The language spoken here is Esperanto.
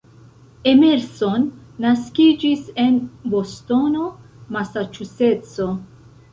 Emerson naskiĝis en Bostono, Masaĉuseco.